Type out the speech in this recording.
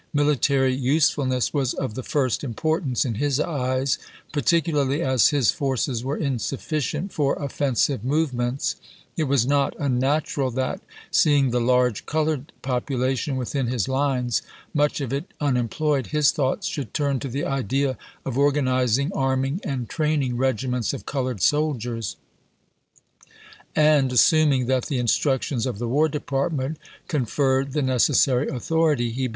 Military usefulness was of the first importance in his eyes, particularly as his forces were insufficient for offensive movements. It was not unnatural that, seeing the large colored popula tion within his lines, much of it unemployed, his thoughts should turn to the idea of organizing, arming, and training regiments of colored soldiers ; and, assuming that the instructions of the War Department conferred the necessary authority, he 94 ABRAHAM LINCOLN Chap. V.